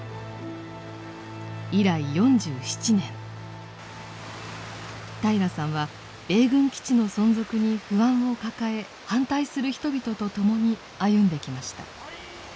以来４７年平良さんは米軍基地の存続に不安を抱え反対する人々と共に歩んできました。